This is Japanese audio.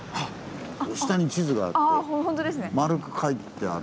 下に地図があってまるく描いてある。